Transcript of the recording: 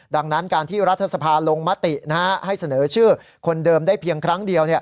ดังนั้นการที่รัฐสภาลงมติให้เสนอชื่อคนเดิมได้เพียงครั้งเดียว